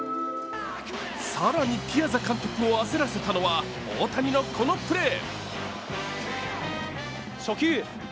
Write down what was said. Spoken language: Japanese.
更に、ピアザ監督を焦らせたのは、大谷のこのプレー。